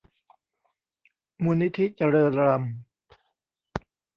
มูลนิธิเจริญรัมย์